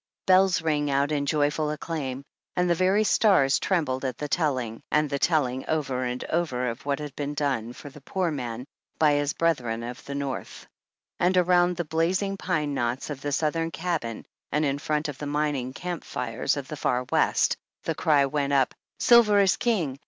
Bells rang out in joyful acclaim, and the very stars trembled at the telling, and the telling over and over of what had been done for the poor man by his brethren of the North, and around the blazing pine knots of the Southern cabin and in front of the mining camp fires of the Far West, the cry went up : Silver is King